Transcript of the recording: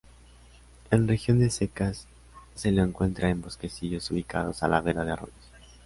En regiones secas, se lo encuentra en bosquecillos ubicados a la vera de arroyos.